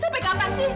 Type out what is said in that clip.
sampai kapan sih